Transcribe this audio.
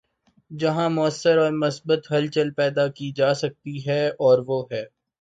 جہاں مؤثر اور مثبت ہلچل پیدا کی جا سکتی ہے‘ اور وہ ہے۔